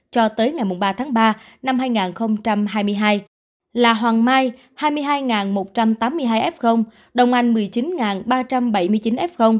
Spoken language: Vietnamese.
cho tới ngày ba tháng ba năm hai nghìn hai mươi hai là hoàng mai hai mươi hai một trăm tám mươi hai f đông anh một mươi chín ba trăm bảy mươi chín f